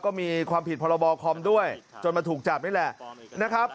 ก็มีความผิดพรบคอมด้วยจนมาถูกจับนี่แหละนะครับ